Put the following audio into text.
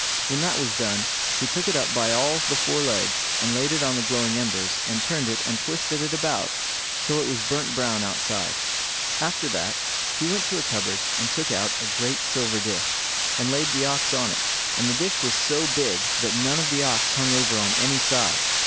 When that was done, he took it up by all the four legs, and laid it on the glowing embers, and turned it and twisted it about till it was burnt brown outside. After that, he went to a cupboard and took out a great silver dish, and laid the ox on it; and the dish was so big that none of the ox hung over on any side.